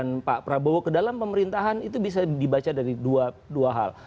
pak prabowo ke dalam pemerintahan itu bisa dibaca dari dua hal